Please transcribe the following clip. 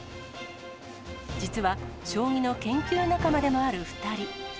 実は、将棋の研究仲間でもある２人。